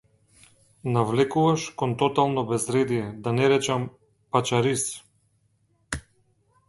Навлекуваш кон тотално безредие, да не речам - пачариз!